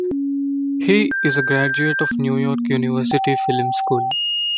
He is a graduate of New York University Film School.